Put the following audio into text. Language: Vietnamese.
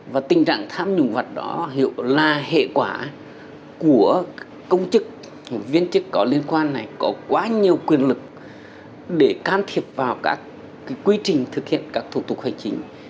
và tình trạng tham nhũng vật đó hiệu là hệ quả của công chức viên chức có liên quan này có quá nhiều quyền lực để can thiệp vào các quy trình thực hiện các thủ tục hành chính